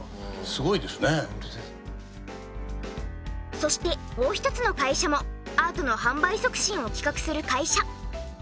そしてもう一つの会社もアートの販売促進を企画する会社。